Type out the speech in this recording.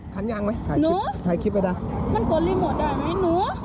คันยางไหมถ่ายคลิปไว้นะมันกดรีโมทได้ไหมหนู